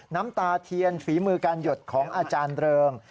น้ำตาเทียนฝีมือการหยดของอาจารย์เริง